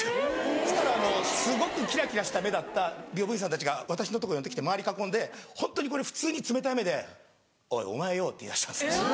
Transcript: そしたらすごくキラキラした目だった美容部員さんたちが私のとこ寄ってきて周り囲んでホントに普通に冷たい目で「おいお前よ」って言いだしたんです。